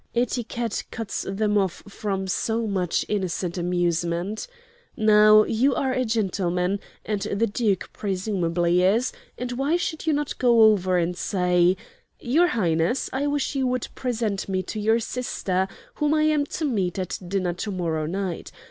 "Etiquette cuts them off from so much innocent amusement. Now, you are a gentleman, and the Duke presumably is, and why should you not go over and say, 'Your Highness, I wish you would present me to your sister, whom I am to meet at dinner to morrow night.